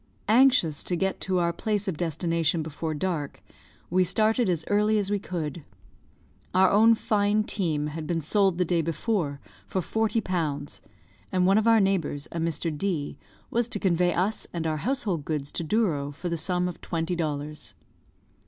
Anxious to get to our place of destination before dark, we started as early as we could. Our own fine team had been sold the day before for forty pounds; and one of our neighbours, a Mr. D , was to convey us and our household goods to Douro for the sum of twenty dollars.